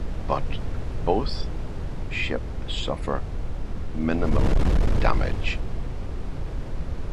But both ship suffer minimal damage.